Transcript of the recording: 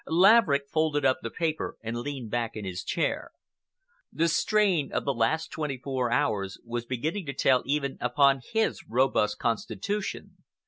Laverick folded up the paper and leaned back in his chair. The strain of the last twenty four hours was beginning to tell even upon his robust constitution.